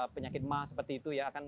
penyakit mah seperti itu ya akan